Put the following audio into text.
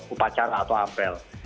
upacara atau afel